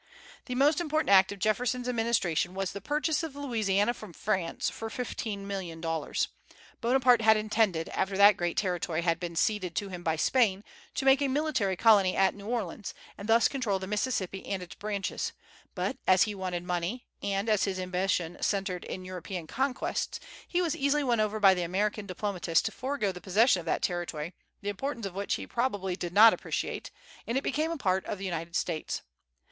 The most important act of Jefferson's administration was the purchase of Louisiana from France for fifteen millions of dollars. Bonaparte had intended, after that great territory had been ceded to him by Spain, to make a military colony at New Orleans, and thus control the Mississippi and its branches; but as he wanted money, and as his ambition centred in European conquests, he was easily won over by the American diplomatists to forego the possession of that territory, the importance of which he probably did not appreciate, and it became a part of the United States.